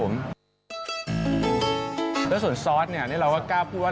แล้วส่วนซอสเนี่ยเราก็กล้าพูดว่า